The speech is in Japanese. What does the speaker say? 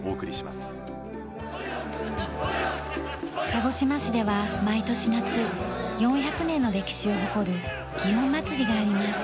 鹿児島市では毎年夏４００年の歴史を誇る園祭があります。